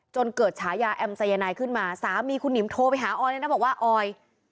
จนเกิดฉายาแอมสายนายขึ้นมาสามีคุณหิมโทรไปหาออยเลยนะบอกว่าออย